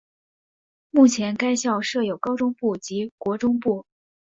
目前该校设有高中部及国中部。